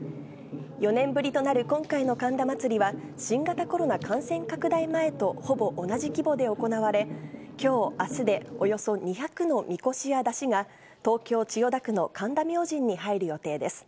４年ぶりとなる今回の神田祭は、新型コロナ感染拡大前とほぼ同じ規模で行われ、きょう、あすで、およそ２００のみこしや山車が、東京・千代田区の神田明神に入る予定です。